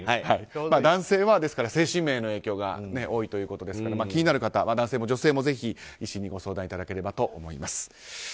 男性は精神面への影響が大きいということですから気になる方、男性も女性も医師にご相談いただければと思います。